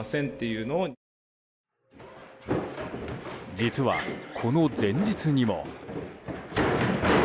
実は、この前日にも。